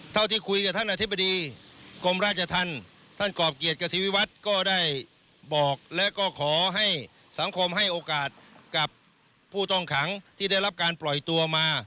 เท่าที่คุยกับท่านอธิบดีกรมราชธรรมท่านกรอบเกียรติกสิวิวัฒน์ก็ได้บอกและก็ขอให้สังคมให้โอกาสกับผู้ต้องขังที่ได้รับการปล่อยตัวมา